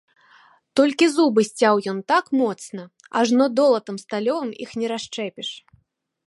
Толькі зубы сцяў ён так моцна, ажно долатам сталёвым іх не расшчэпіш.